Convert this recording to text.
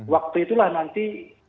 waktu itulah nanti